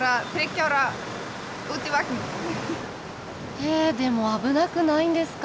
へえでも危なくないんですか？